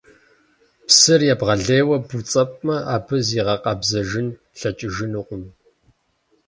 Псыр ебгъэлейуэ буцӀэпӀмэ, абы зигъэкъэбзэжын лъэкӀыжынукъым.